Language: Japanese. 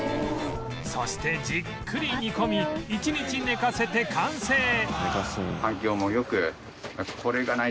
そしてじっくり煮込み一日寝かせて完成